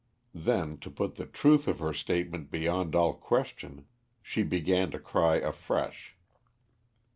Then, to put the truth of her statement beyond all question, she began to cry afresh.